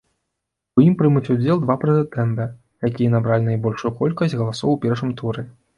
У ім прымуць удзел два прэтэндэнта, якія набралі найбольшую колькасць галасоў у першым туры.